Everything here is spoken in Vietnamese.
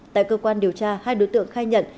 tại cơ quan điều tra hai đối tượng khai nhận